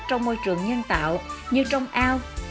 trong môi trường nhân tạo như trong ao